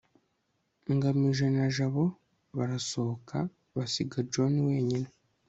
ngamije na jabo barasohoka, basiga john wenyine